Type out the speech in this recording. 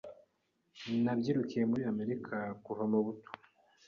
Nabyirukiye muri Amerika kuva mubuto